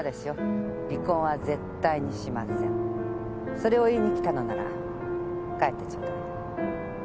それを言いに来たのなら帰ってちょうだい。